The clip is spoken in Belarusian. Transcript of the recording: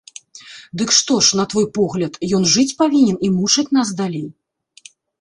Дык што ж, на твой погляд, ён жыць павінен і мучыць нас далей!